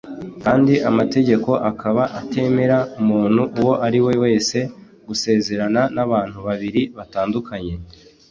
kandi amategeko akaba atemerera umuntu uwo ari we wese gusezerana n’abantu babiri batandukanye